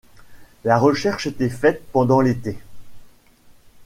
La recherche était faite pendant l'été.